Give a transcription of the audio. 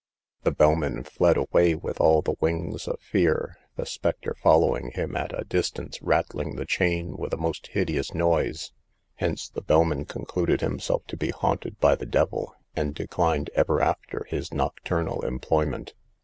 The bellman fled away with all the wings of fear, the spectre following him at a distance, rattling the chain with a most hideous noise; hence the bellman concluded himself to be haunted by the devil, and declined ever after his nocturnal employment.